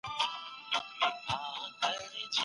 ولي ځيني هیوادونه بازار نه مني؟